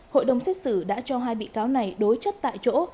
hội đồng xét xử đã cho hai bị cáo này đối chất tại chỗ